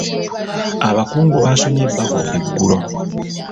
Abakungu baasomye ebbago eggulo.